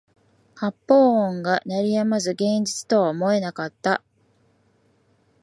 発砲音が鳴り止まず現実とは思えなかった